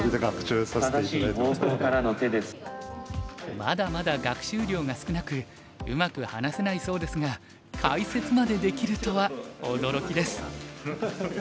まだまだ学習量が少なくうまく話せないそうですが解説までできるとは驚きです。